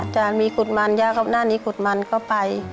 จะมีกุฎมันย่าก็หน้านี้กุฎมันก็ไป